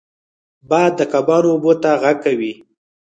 باد د کبانو اوبو ته غږ کوي